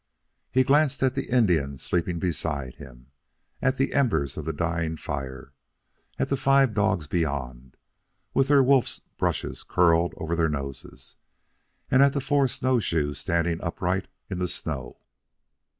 He glanced at the Indian sleeping beside him, at the embers of the dying fire, at the five dogs beyond, with their wolf's brushes curled over their noses, and at the four snowshoes standing upright in the snow.